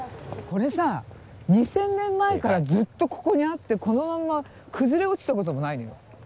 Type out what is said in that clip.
これさ２千年前からずっとここにあってこのまんま崩れ落ちた事もないのよ。